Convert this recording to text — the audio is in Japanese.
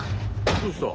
どうした？